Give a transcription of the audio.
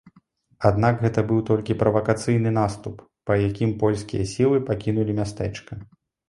Аднак гэта быў толькі правакацыйны наступ, па якім польскія сілы пакінулі мястэчка.